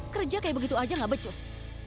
kerja kayak begitu aja gak becus